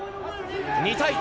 ２対１。